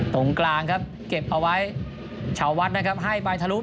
ตรงกลางครับเก็บเอาไว้ชาววัดนะครับให้ไปทะลุ